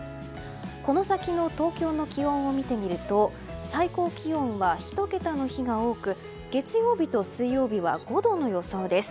この先の東京の気温を見てみると最高気温は１桁の日が多く月曜日と水曜日は５度の予想です。